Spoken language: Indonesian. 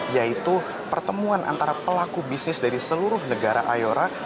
yaitu pertemuan antara pelaku bisnis dari seluruh negara ayora